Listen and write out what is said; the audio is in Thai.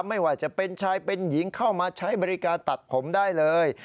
ไม่ว่าจะเป็นชายเป็นหญิงเข้ามาใช้บริการตัดผมได้เลย